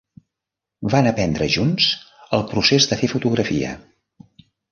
Van aprendre junts el procés de fer fotografia.